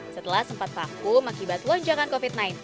setelah sempat vakum akibat lonjakan covid sembilan belas